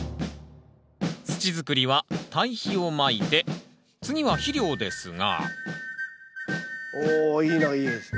土作りは堆肥をまいて次は肥料ですがおいいないいですね。